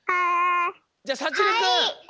じゃあさちるくん。